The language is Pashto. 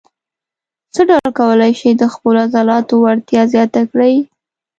څه ډول کولای شئ د خپلو عضلاتو وړتیا زیاته کړئ.